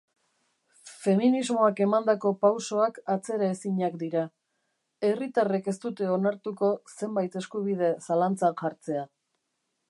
Feminismoak emandako pausoak atzeraezinak dira, herritarrek ez dute onartuko zenbait eskubide zalantzan jartzea.